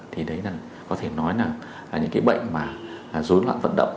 thì đấy là có thể nói là những cái bệnh mà rốn loạn vận động